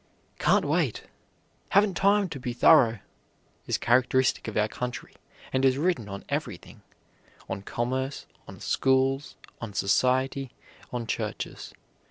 "Can't wait," "haven't time to be thorough," is characteristic of our country, and is written on everything on commerce, on schools, on society, on churches.